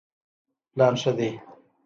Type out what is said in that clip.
پلان ښه دی.